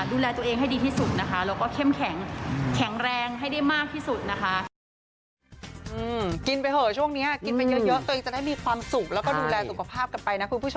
ดูแลตัวเองให้ดีที่สุดนะคะแล้วก็เข้มแข็งแรงให้ได้มากที่สุดนะคะ